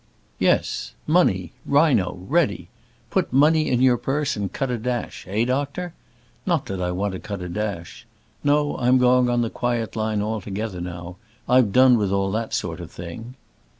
"Yes; money, rhino, ready! 'put money in your purse and cut a dash;' eh, doctor? Not that I want to cut a dash. No, I'm going on the quiet line altogether now: I've done with all that sort of thing."